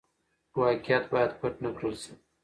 واقعيت بايد پټ نه کړل شي.